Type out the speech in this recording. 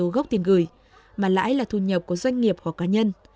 đó là một gốc tiền gửi mà lãi là thu nhập của doanh nghiệp hoặc cá nhân